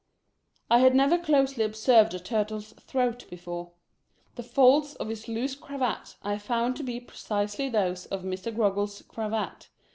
I had never closely observed a Turtle' s throat before. The folds of his loose cravat I found to be precisely those of Mr. Groggles' cravat.